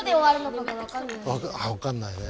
わかんないね。